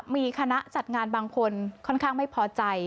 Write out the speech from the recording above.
มีคณะจัดงานบางคนค่อนข้างไม่พอใจ